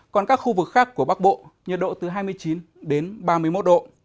còn các khu vực khác của bắc bộ nhiệt độ từ hai mươi chín đến ba mươi một độ